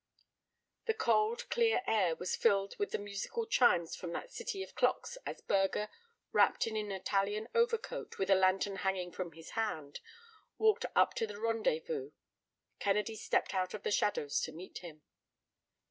The cold, clear air was filled with the musical chimes from that city of clocks as Burger, wrapped in an Italian overcoat, with a lantern hanging from his hand, walked up to the rendezvous. Kennedy stepped out of the shadow to meet him.